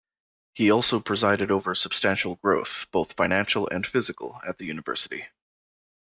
He also presided over substantial growth, both financial and physical, at the University.